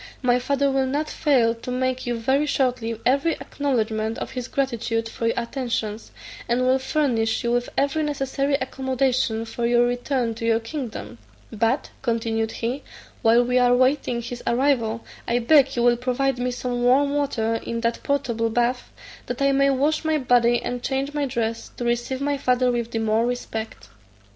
My father will not fail to make you, very shortly, every acknowledgment of his gratitude for your attentions, and will furnish you with every necessary accommodation for your return to your kingdom: but," continued he, "while we are waiting his arrival, I beg you will provide me some warm water in that portable bath, that I may wash my body and change my dress, to receive my father with the more respect."